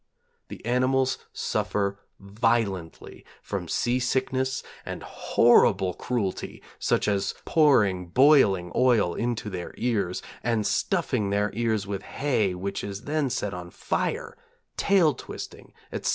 The animals suffer violently from sea sickness, and horrible cruelty (such as pouring boiling oil into their ears, and stuffing their ears with hay which is then set on fire, tail twisting, etc.